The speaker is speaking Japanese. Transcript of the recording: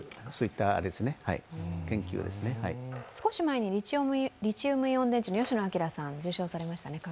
少し前にリチウムイオン電池の吉野彰さんが受賞されましたね。